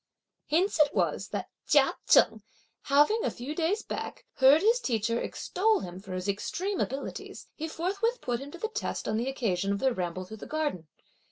Hence it was that Chia Cheng having, a few days back, heard his teacher extol him for his extreme abilities, he forthwith put him to the test on the occasion of their ramble through the garden.